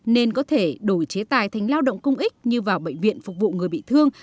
nên có thể đổi chế tài thành lao động công ích như vào bệnh viện phục vụ người bị thương